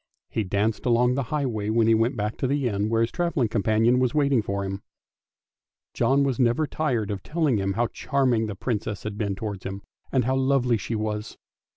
He danced along the highway, when he went back to the inn where his travelling companion was waiting for him. John was never tired of telling him how charming the Princess had been towards him, and how lovely she was.